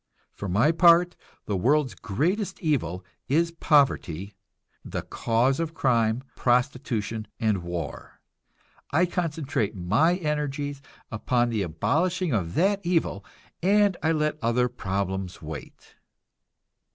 For my part, the world's greatest evil is poverty, the cause of crime, prostitution and war. I concentrate my energies upon the abolishing of that evil, and I let other problems wait.